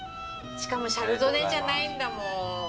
しかもシャルドネじゃないんだもん。